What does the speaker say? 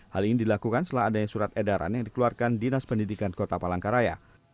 hal ini dilakukan setelah adanya surat edaran yang dikeluarkan dinas pendidikan kota palangkaraya